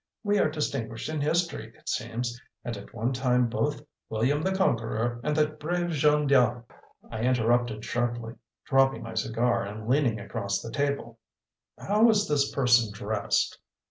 We are distinguished in history, it seems, and at one time both William the Conqueror and that brave Jeanne d'Arc " I interrupted sharply, dropping my cigar and leaning across the table: "How was this person dressed?"